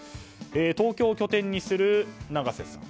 東京を拠点にする永瀬さん